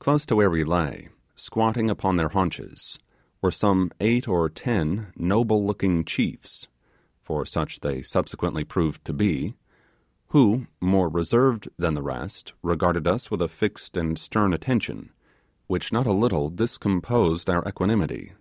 Close to where we lay, squatting upon their haunches, were some eight or ten noble looking chiefs for such they subsequently proved to be who, more reserved than the rest, regarded us with a fixed and stern attention, which not a little discomposed our equanimity.